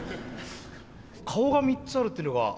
顔が３つあるっていうのが。